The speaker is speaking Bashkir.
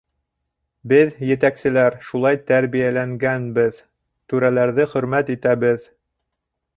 Беҙ, етәкселәр, шулай тәрбиәләнгәнбеҙ: түрәләрҙе хөрмәт итәбеҙ.